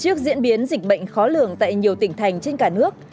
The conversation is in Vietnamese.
trước diễn biến dịch bệnh khó lường tại nhiều tỉnh thành trên cả nước